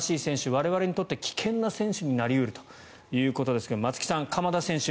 我々にとって危険な選手になり得るということですが松木さん、鎌田選手